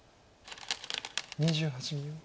２８秒。